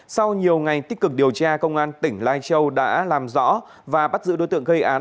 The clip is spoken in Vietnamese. sau nhiều ngày tích cực điều tra công an tỉnh lai châu đã làm rõ và bắt giữ đối tượng gây án